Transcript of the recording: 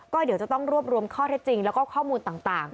ก็เดี๋ยวจะต้องรวบรวมข้อเท็จจริงแล้วก็ข้อมูลต่าง